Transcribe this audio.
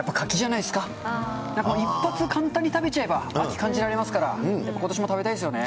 なんか一発簡単に食べちゃえば、秋、感じられますから、ことしも食べたいですよね。